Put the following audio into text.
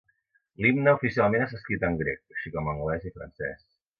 L'Himne oficialment està escrit en grec, així com anglès i francès.